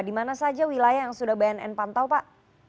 di mana saja wilayah yang sudah bnn pantau pak